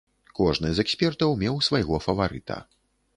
Кожны з экспертаў меў свайго фаварыта.